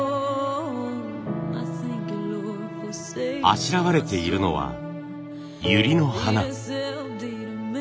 あしらわれているのはゆりの花。